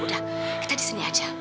udah kita di sini aja